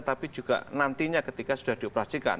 tapi juga nantinya ketika sudah dioperasikan